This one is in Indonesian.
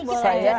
dikit aja deh